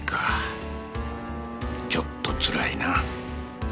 ちょっとつらいな。